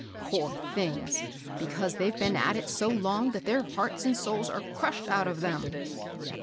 ^' Poor things I Because they've been at it so long that their hearts and souls are crushed out of them."